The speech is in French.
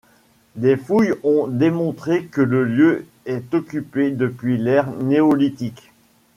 Des fouilles ont démontré que le lieu est occupé depuis l'ère néolithique.